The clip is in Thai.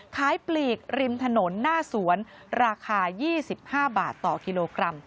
ปลีกริมถนนหน้าสวนราคา๒๕บาทต่อกิโลกรัม